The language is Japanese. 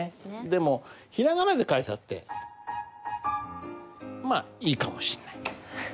でもひらがなで書いたってまあいいかもしんないけど。